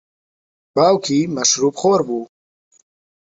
باوکی مەشروبخۆر بوو.